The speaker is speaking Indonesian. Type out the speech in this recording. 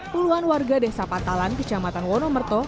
puluhan warga desa patalan kecamatan wonomerto